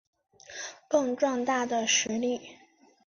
更壮大的实力